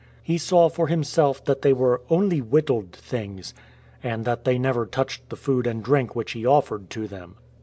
He saw for himself that they were " only whittled things," and that they never touched the food and drink which he offered to them.